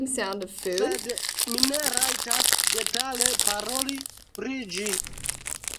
Sed mi ne rajtas detale paroli pri ĝi.